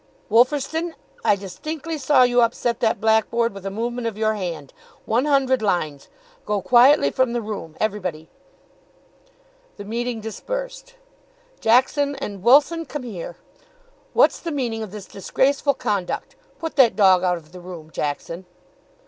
"Wolferstan, I distinctly saw you upset that black board with a movement of your hand one hundred lines. Go quietly from the room, everybody." The meeting dispersed. "Jackson and Wilson, come here. What's the meaning of this disgraceful conduct? Put that dog out of the room, Jackson."